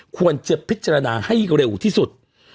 ควรจะพิจารณาให้เร็วที่สุด